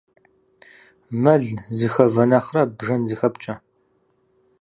Мэл зыхэвэ нэхърэ бжэн зыхэпкӏэ.